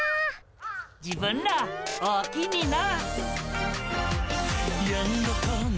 自分らおおきにな。